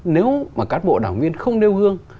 nếu mà cán bộ đảng viên không nêu gương